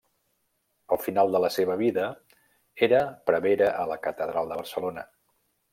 Al final de la seva vida, era prevere a la catedral de Barcelona.